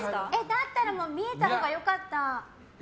だったら見えたほうがよかった。